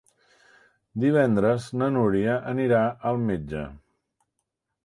Divendres na Núria anirà al metge.